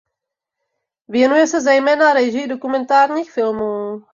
Věnuje se zejména režii dokumentárních filmů.